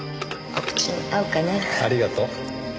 ありがとう。